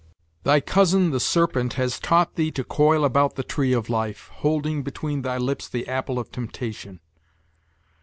Thy cousin the serpent has taught thee to coil about the tree of life, holding between thy lips the apple of temptation.